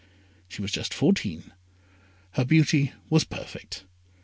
She was just fourteen. Her beauty was perfect.